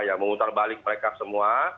ya memutar balik mereka semua